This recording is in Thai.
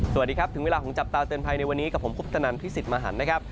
สวัสดีครับถึงเวลาของจับตาเตือนภัยในวันนี้กับผมคุปตนันพิสิทธิ์มหันนะครับ